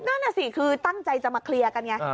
นั่นน่ะสิคือตั้งใจจะมาเคลียร์กันไง